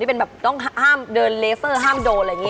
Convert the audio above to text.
เป็นแบบต้องห้ามเดินเลเซอร์ห้ามโดนอะไรอย่างนี้